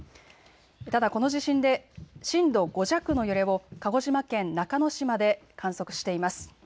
ただこの地震で震度５弱の揺れを鹿児島県中之島で観測しています。